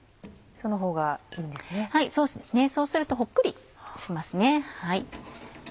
そうするとホックリしますね。